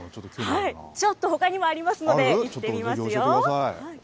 ちょっとほかにもありますので、行ってみますよ。